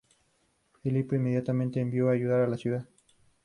Filipo inmediatamente envió ayuda a la ciudad.